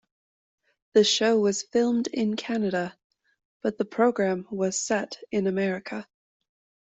The show was filmed in Canada, but the program was set in America.